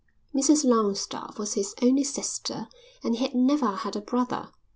Mrs Longstaffe was his only sister and he had never had a brother.